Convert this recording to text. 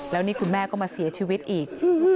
แล้วนี่คุณแม่ก็มาเสียชีวิตอีก